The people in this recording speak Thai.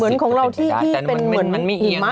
เหมือนของเราที่เป็นเหมือนหิมะ